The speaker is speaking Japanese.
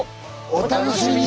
お楽しみに！